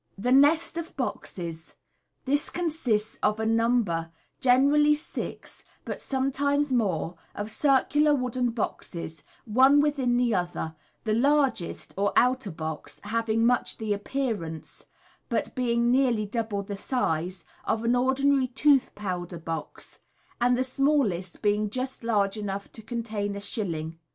The Nest op Boxes. — This consists of a number, generally six, but sometimes more, of circular wooden boxes, one within the other, the largest or outer box having much the appearance, but being nearly double the size, of an ordinary tooth powder box, and the smallest being just large enough to contain a shilling.